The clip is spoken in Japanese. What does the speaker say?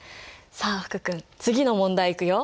さあ福君次の問題いくよ。